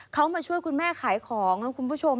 เขามาช่วยคุณแม่ขายของนะคุณผู้ชม